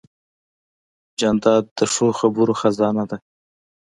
جانداد د ښو خبرو خزانه ده.